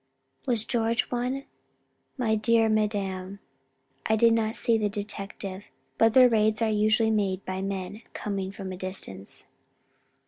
"Was George one?" "My dear madam I did not see the detective, but their raids are usually made by men coming from a distance."